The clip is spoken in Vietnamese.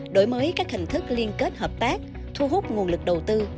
đổi mới các hình thức liên kết hợp tác thu hút nguồn lực đầu tư